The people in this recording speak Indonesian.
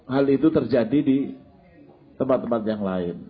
hal itu terjadi di tempat tempat yang lain